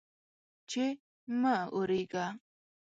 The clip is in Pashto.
چې مه اوریږه